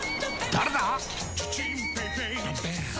誰だ！